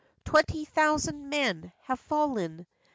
Twenty thousand men have fallen